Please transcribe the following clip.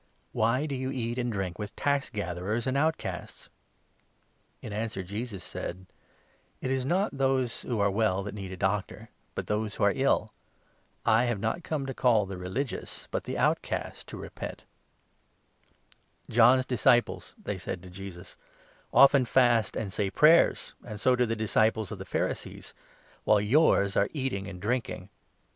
" Why do you eat and drink with tax gatherers and out casts ?" In answer Jesus said : 31 " It is not those who are well that need a doctor, but those who are ill. I have not come to call the religious, but the 32 outcast, to repent." The Disciples "John's disciples," they said to Jesus, "often 33 blamed for fast ant| sa pravers ancj so do the disciples of the not observing J \, J .. ,r. ,.... the Law. Pharisees, while yours are eating and drinking